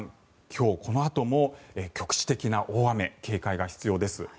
今日、このあとも局地的な大雨、警戒が必要です。